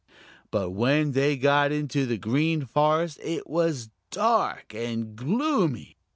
But when they got into the Green Forest it was dark and gloomy.